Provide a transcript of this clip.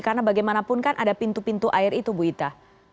karena bagaimanapun kan ada pintu pintu air itu bu ita